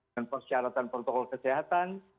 dan persyaratan protokol kesehatan